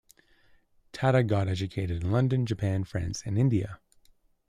Tata got educated in London, Japan, France and India.